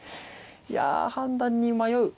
いや判断に迷う。